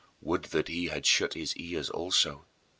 Would that he had shut his ears also!